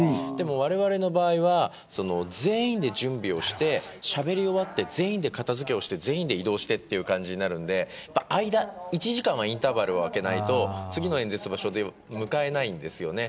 われわれの場合は全員で準備をしてしゃべり終わって片付けをして全員で移動してという感じなので間、１時間はインターバルを空けないと次の演説場所に向かえないんです。